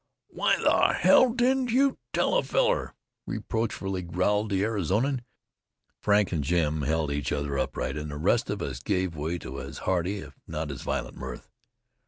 "Why the hell didn't you tell a feller?" reproachfully growled the Arizonian. Frank and Jim held each other upright, and the rest of us gave way to as hearty if not as violent mirth.